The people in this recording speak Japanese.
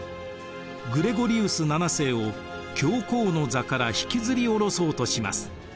グレゴリウス７世を教皇の座から引きずり下ろそうとします。